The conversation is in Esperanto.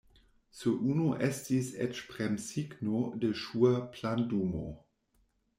Sur unu estis eĉ premsigno de ŝua plandumo.